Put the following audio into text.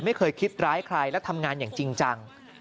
ไม่เคยคิดร้ายใครและทำงานอย่างจริงจัง